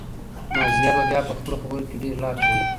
نازیه به بیا په خپلو خبرو کې ډېرې لافې وهي.